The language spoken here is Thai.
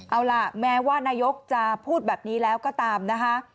เอาล่ะแม้ว่านายกจะพูดแบบนี้แล้วก็ตามนะคะ